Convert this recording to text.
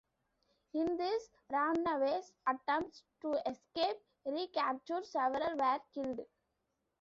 In these runaways' attempts to escape recapture, several were killed.